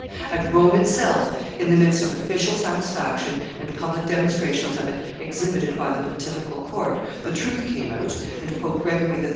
At Rome itself, in the midst of official satisfaction and public demonstrations of it exhibited by the pontifical court, the truth came out, and Pope Gregory XIII.